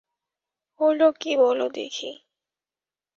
হল কী বল দেখি!